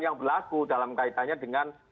yang berlaku dalam kaitannya dengan